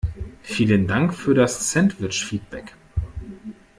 Vielen Dank für das Sandwich-Feedback!